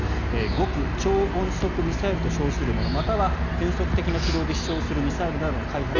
極超音速ミサイルと称するものまたは変則的な軌道で飛翔するミサイルなどの開発